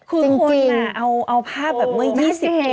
คือคนเอาภาพแบบเมื่อ๒๐ปี